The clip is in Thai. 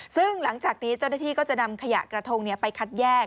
ซึ่งหลังจากนี้เจ้าหน้าที่ก็จะนำขยะกระทงไปคัดแยก